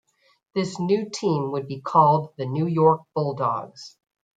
This new team would be called the New York Bulldogs.